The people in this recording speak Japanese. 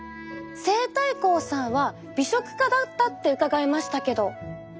西太后さんは美食家だったって伺いましたけど。